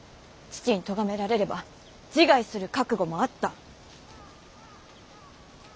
父に咎められれば自害する覚悟もあった。